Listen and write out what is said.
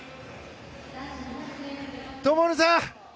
灯さん！